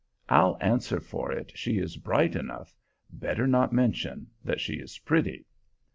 I'll answer for it she is bright enough; better not mention that she is pretty.